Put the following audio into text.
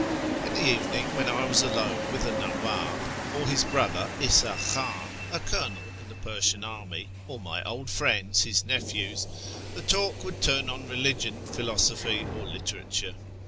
" In the evening, when I was alone with the Naww; ib, or his brother 'Isa Khan, a colonel in the Persian army, or my old friends, his nephews, the talk would turn on religion, philosophy, or literature.